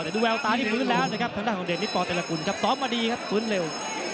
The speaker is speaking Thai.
ช่วยดูแววตาที่ฟื้นแล้วนะครับท่านต้างของเดดิตละกุลพร้อมมาดีครับฟื้นเร็ว